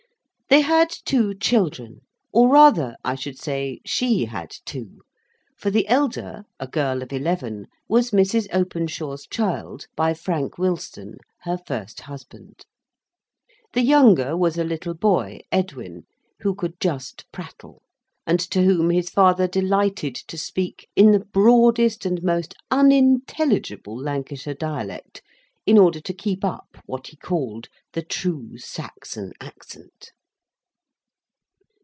They had two children or rather, I should say, she had two; for the elder, a girl of eleven, was Mrs. Openshaw's child by Frank Wilson her first husband. The younger was a little boy, Edwin, who could just prattle, and to whom his father delighted to speak in the broadest and most unintelligible Lancashire dialect, in order to keep up what he called the true Saxon accent.